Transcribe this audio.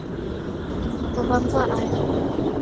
Kwaw'angwa ani?